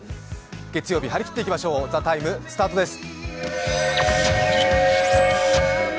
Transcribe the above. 月曜日、張り切ってまいりましょう「ＴＨＥＴＩＭＥ，」スタートです。